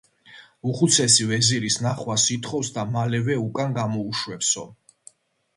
უხუცესი ვეზირის ნახვას ითხოვს და მალევე უკან გამოუშვებსო.